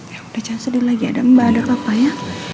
ya udah jangan sedih lagi ada mbak ada kakak ya